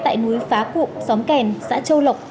tại núi phá cụ xóm kèn xã châu lộc